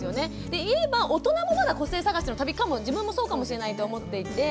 で今大人もまだ個性探しの旅かも自分もそうかもしれないと思っていて。